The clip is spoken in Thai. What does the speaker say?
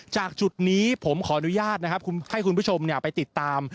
จากจุดนี้ผมขออนุญาตให้คุณผู้ชมติดตาม